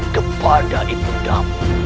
kepada ibu damu